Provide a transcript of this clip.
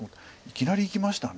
いきなりいきました。